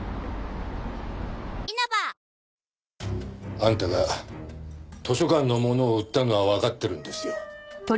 あんたが図書館のものを売ったのはわかってるんですよ。